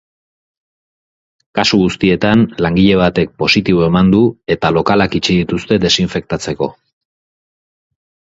Kasu guztietan, langile batek positibo eman du eta lokalak itxi dituzte desinfektatzeko.